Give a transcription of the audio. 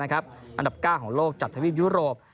ได้นะครับอันดับเก้าของโลกจัดทวีปยุโรป